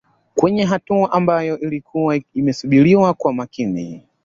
Kwenye hatua ambayo ilikuwa imesubiriwa kwa makini